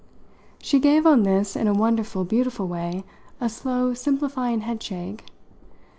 She gave, on this, in a wonderful, beautiful way, a slow, simplifying headshake.